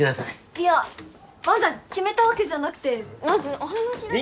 いやまだ決めたわけじゃなくてまずお話だけ。